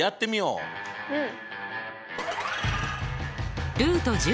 うん。